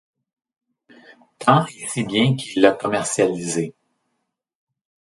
Tant et si bien qu’il l’a commercialisée.